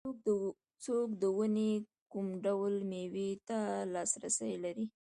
څوک د ونې کوم ډول مېوې ته لاسرسی لري